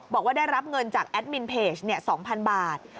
บอกว่าได้รับเงินจากแอดมินเพจ๒๐๐๐บาท